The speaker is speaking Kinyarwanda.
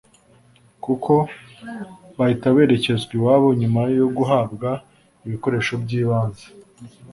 kuko bahita berekezwa iwabo nyuma yo guhabwa ibikoresho by’ibanze